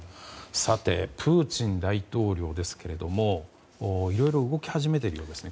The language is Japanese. プーチン大統領ですがいろいろ動き始めているようです。